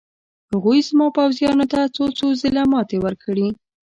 هغوی زما پوځیانو ته څو څو ځله ماتې ورکړې.